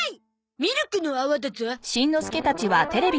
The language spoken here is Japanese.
ミルクの泡だゾ。